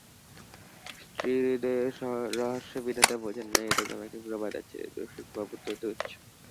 স্ত্রীহৃদয়ের রহস্য বিধাতা বোঝেন না এইরকম একটা প্রবাদ আছে, রসিকবাবু তো তুচ্ছ।